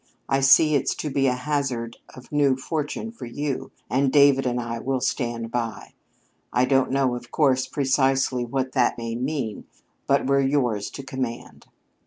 I see it's to be a hazard of new fortune for you, and David and I will stand by. I don't know, of course, precisely what that may mean, but we're yours to command."